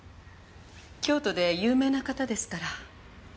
京都で有名な方ですから。